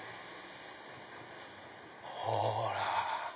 ほら。